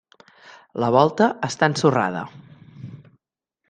La volta està ensorrada.